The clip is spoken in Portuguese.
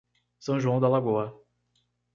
São João da Lagoa